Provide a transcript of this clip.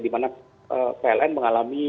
dimana pln mengalami